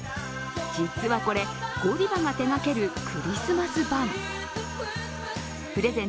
実はこれ、ゴディバが手がけるクリスマスバン。